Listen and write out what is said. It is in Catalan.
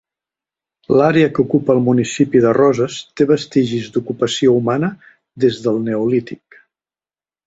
L'àrea que ocupa el municipi de Roses té vestigis d'ocupació humana des del neolític.